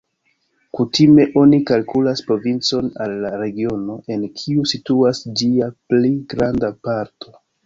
Kutime oni kalkulas provincon al la regiono, en kiu situas ĝia pli granda parto.